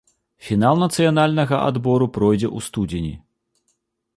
Фінал нацыянальнага адбору пройдзе ў студзені.